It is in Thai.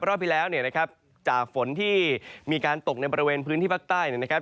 รอบที่แล้วเนี่ยนะครับจากฝนที่มีการตกในบริเวณพื้นที่ภาคใต้นะครับ